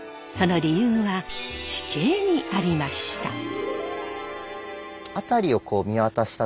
その理由は地形にありました。